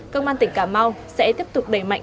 công an tỉnh cà mau sẽ tiếp tục đẩy mạnh công tác